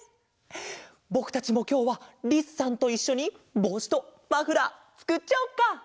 ぼくたちもきょうはリスさんといっしょにぼうしとマフラーつくっちゃおうか！